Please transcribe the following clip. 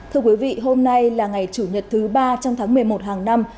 thưa quý vị hôm nay là ngày chủ nhật thứ ba trong tháng một mươi một hàng năm